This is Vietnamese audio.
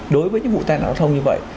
đối với những vụ tai nạn giao thông như vậy